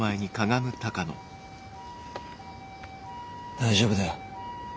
大丈夫だよ。